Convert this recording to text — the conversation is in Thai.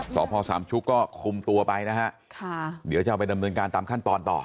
สพสามชุกก็คุมตัวไปนะฮะค่ะเดี๋ยวจะเอาไปดำเนินการตามขั้นตอนต่อ